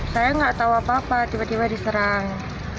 saya gak tau apa apa tiba tiba diserang